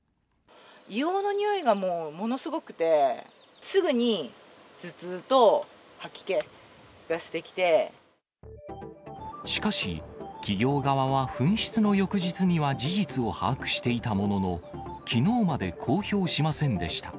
硫黄のにおいがもう、ものすごくて、しかし、企業側は噴出の翌日には事実を把握していたものの、きのうまで公表しませんでした。